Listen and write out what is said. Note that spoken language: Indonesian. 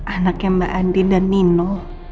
anaknya mbak andin dan nino